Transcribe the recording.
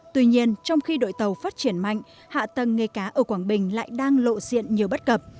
tuy nhiên trong khi đội tàu phát triển mạnh hạ tầng nghề cá ở quảng bình lại đang lộ diện nhiều bất cập